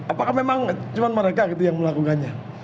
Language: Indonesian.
apakah memang cuman mereka yang melakukannya